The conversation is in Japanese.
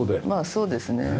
まあそうですね。